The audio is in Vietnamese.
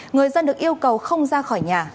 người dân được yêu cầu không ra khỏi nhà